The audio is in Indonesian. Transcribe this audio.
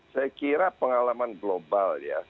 saya kira pengalaman global ya